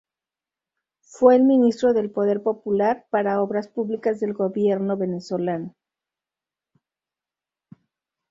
Fue el ministro del Poder Popular para Obras Públicas del gobierno venezolano.